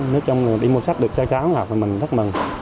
nếu cháu đi mua sách được cháu cháu học là mình rất mừng